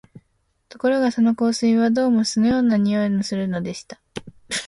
ところがその香水は、どうも酢のような匂いがするのでした